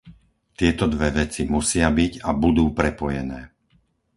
Tieto dve veci musia byť a budú prepojené.